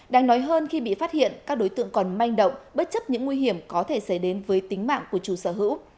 đáng nói hơn khi bị phát hiện các đối tượng còn manh động bất chấp những nguy hiểm có thể xảy đến với tính mạng của chủ sở hữu